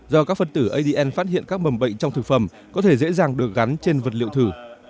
do các phân tử adn phát hiện các mầm bệnh trong thực phẩm có thể dễ dàng được gắn trên vật liệu thử